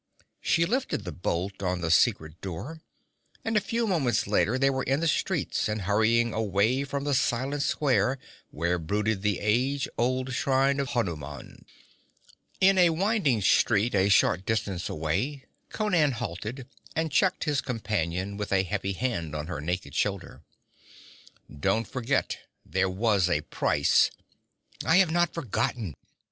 She lifted the bolt on the secret door, and a few moments later they were in the streets and hurrying away from the silent square where brooded the age old shrine of Hanuman. In a winding street a short distance away Conan halted and checked his companion with a heavy hand on her naked shoulder. 'Don't forget there was a price ' 'I have not forgotten!'